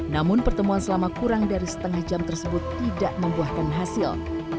namun pertemuan selama kurang dari setengah jam tersebut tidak membuahkan hasil